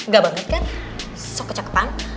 gak banget kan so kecokupan